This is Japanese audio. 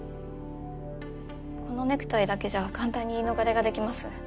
このネクタイだけじゃ簡単に言い逃れができます。